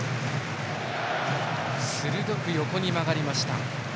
鋭く横に曲がりました。